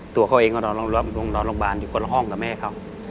ตัวเขาเองก็นอนโรงพยาบาลอยู่คนละห้องกับแม่เขา